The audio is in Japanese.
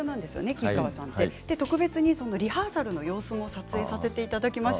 吉川さん、特別にリハーサルの様子も撮影させていただきました。